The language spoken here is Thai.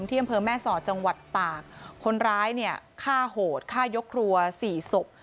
อำเภอแม่สอดจังหวัดตากคนร้ายเนี่ยฆ่าโหดฆ่ายกครัวสี่ศพ